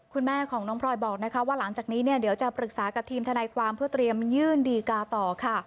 คุณแม่ของน้องพลอยบอกนะคะว่าหลังจากนี้เนี่ยเดี๋ยวจะปรึกษากับทีมทนายความเพื่อเตรียมยื่นดีกาต่อค่ะ